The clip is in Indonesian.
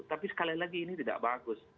tapi sekali lagi ini tidak bagus